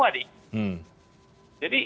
jadi dan pintar pintar